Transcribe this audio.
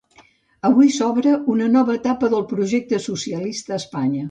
Avui s'obre una nova etapa del projecte socialista a Espanya.